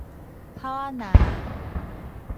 炮仔林